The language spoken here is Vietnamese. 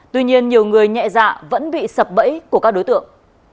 tuy nhiên nhiều người nhẹ dạ vẫn bị sập bẫy của các đối tượng